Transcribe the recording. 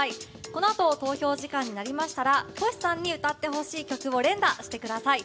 このあと投票時間になりましたらＴｏｓｈｌさんに歌ってほしい曲を連打してください。